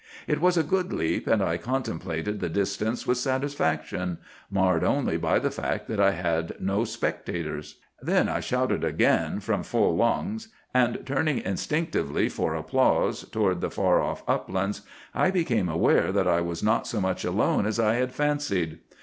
It was a good leap, and I contemplated the distance with satisfaction, marred only by the fact that I had no spectators. "Then I shouted again, from full lungs; and turning instinctively for applause toward the far off uplands, I became aware that I was not so much alone as I had fancied.